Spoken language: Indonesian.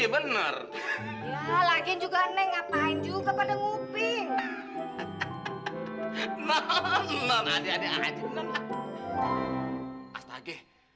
bener bener juga ngapain juga pada nguping